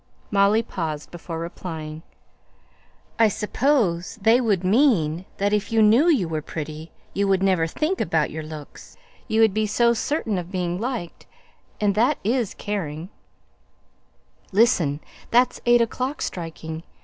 Molly paused before replying, "I suppose they would mean that if you knew you were pretty, you would never think about your looks; you would be so certain of being liked, and that it is caring " "Listen! that's eight o'clock striking.